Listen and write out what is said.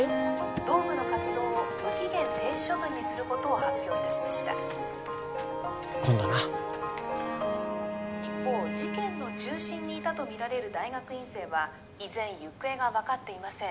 同部の活動を無期限停止処分にすることを発表いたしました今度な一方事件の中心にいたとみられる大学院生は依然行方が分かっていません